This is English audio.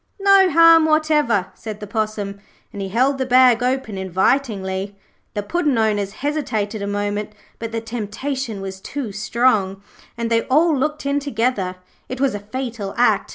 'No harm whatever,' said the Possum, and he held the bag open invitingly. The Puddin' owners hesitated a moment, but the temptation was too strong, and they all looked in together. It was a fatal act.